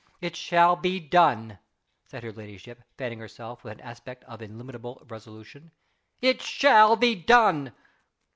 It shall be done!" said her ladyship, fanning herself with an aspect of illimitable resolution. "It shall be done!"